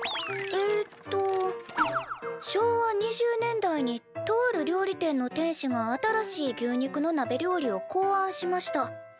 えっと「昭和２０年代にとある料理店の店主が新しい牛肉のなべ料理を考案しました。